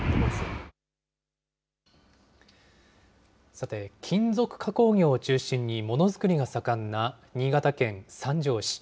さて、金属加工業を中心にものづくりが盛んな新潟県三条市。